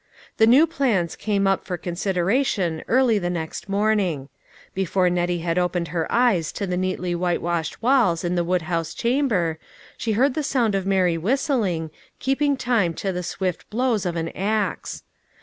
The new plans came up for consideration early the next morning. Before Nettie had opened her eyes to the neatly whitewashed walls in the wood house chamber, she heard the sound of merry whistling, keeping time to the swift blows of an axe.